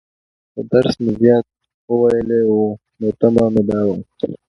خو درس مې زيات وويلى وو، نو تمه مې دا وه.